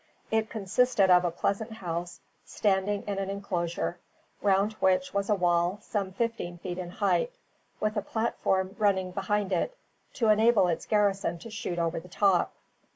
It consisted of a pleasant house standing in an enclosure, round which was a wall, some fifteen feet in height, with a platform running behind it, to enable its garrison to shoot over the top.